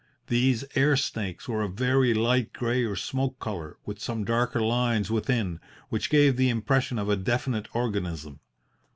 These air snakes were of a very light grey or smoke colour, with some darker lines within, which gave the impression of a definite organism.